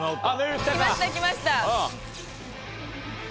きましたきました。